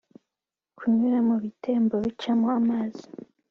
kunyura mu bitembo bicamo amazi